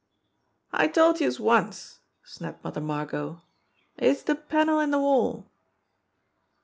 "I told youse once," snapped Mother Margot. "It's de panel in de wall."